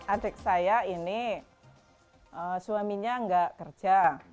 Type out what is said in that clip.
adik saya ini suaminya nggak kerja